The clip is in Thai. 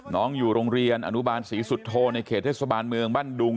น้องอยู่โรงเรียนอนุบาลศรีสุโธในเขตเทศบาลเมืองบ้านดุง